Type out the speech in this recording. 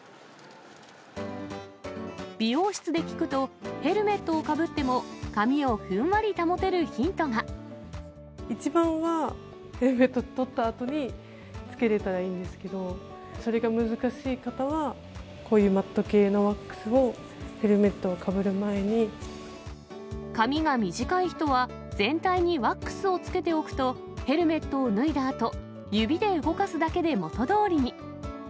美容室で聞くと、ヘルメットをかぶっても、一番は、ヘルメット取ったあとにつけれたらいいんですけれども、それが難しい方は、こういうマット系のワックスをヘルメットをかぶる前に。髪が短い人は、全体にワックスをつけておくと、ヘルメットを脱いだあと、指で動かすだけで元どおりに。